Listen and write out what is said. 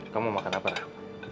kamu mau makan apa rah